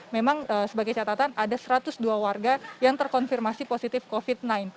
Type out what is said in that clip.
memang sebagai catatan ada satu ratus dua warga yang terkonfirmasi positif covid sembilan belas